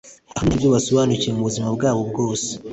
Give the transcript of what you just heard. ahanini aribyo basobanukiwe mubuzima bwabo bwose